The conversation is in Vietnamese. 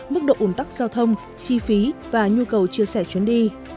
mức độ ủn tắc giao thông chi phí và nhu cầu chia sẻ chuyến đi